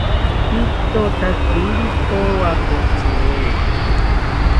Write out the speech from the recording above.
Pitothotakiri powakotziri